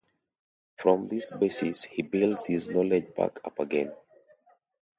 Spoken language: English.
From this basis he builds his knowledge back up again.